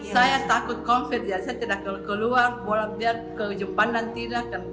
saya takut konflik saya tidak keluar ke ujung pandang tidak